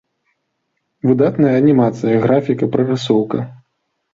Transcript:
Выдатная анімацыя, графіка, прарысоўка.